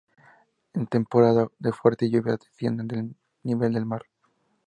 En temporada de fuertes lluvias descienden al nivel del mar.